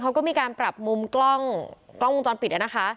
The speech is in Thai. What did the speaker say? เขาก็มีการปรับมุมกล้องวงจรปิดนะคะ